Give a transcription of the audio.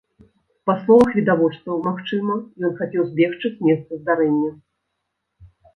Па словах відавочцаў, магчыма, ён хацеў збегчы з месца здарэння.